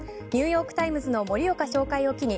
ニューヨーク・タイムズの盛岡紹介を機に